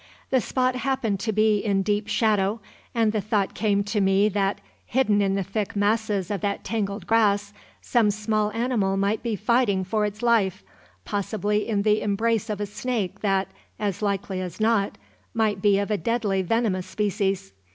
The spot happened to be in deep shadow, and the thought came to me that, hidden in the thick masses of that tangled grass, some small animal might be fighting for its life, possibly in the embrace of a snake that, as likely as not, might be of a deadly venomous species.